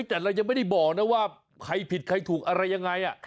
แต่เรายังไม่ได้บอกนะว่าใครผิดใครถูกอะไรยังไง